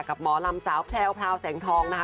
กับหมอลำสาวแพลวพราวแสงทองนะคะ